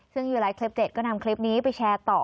ซึ่งยูไลท์คลิป๗ก็นำคลิปนี้ไปแชร์ต่อ